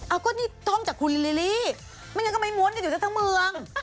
เอาก็นี่ท่องจากคุณลิลลี่ไม่งั้นก็ไม่ม้วนกันอยู่กันทั้งเมือง